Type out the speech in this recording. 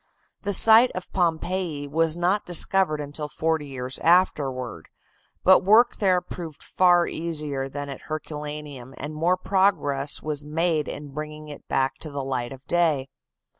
The site of Pompeii was not discovered until forty years afterward, but work there proved far easier than at Herculaneum, and more progress was made in bringing it back to the light of day.